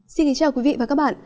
xin kính chào quý vị và các bạn